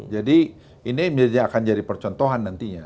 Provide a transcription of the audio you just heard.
jadi ini akan menjadi percontohan nantinya